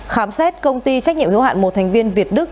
khám xét công ty trách nhiệm hiếu hạn một thành viên việt đức